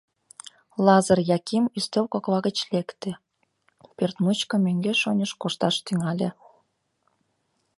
Лазыр Яким ӱстел кокла гыч лекте, пӧрт мучко мӧҥгеш-оньыш кошташ тӱҥале.